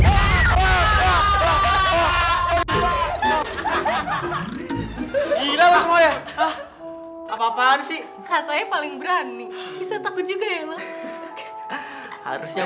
apa apaan sih katanya paling berani bisa takut juga ya harusnya